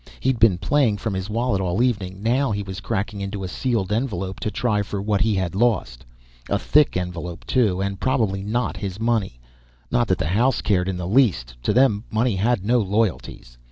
He had been playing from his wallet all evening, now he was cracking into a sealed envelope to try for what he had lost. A thick envelope too, and probably not his money. Not that the house cared in the least. To them money had no loyalties.